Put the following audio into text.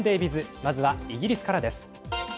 まずはイギリスからです。